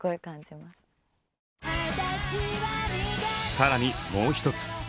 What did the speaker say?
更にもうひとつ